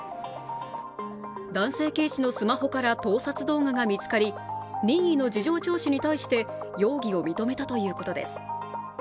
男性警視のスマホから盗撮動画が見つかり、任意の事情聴取に対して、容疑を認めたということです。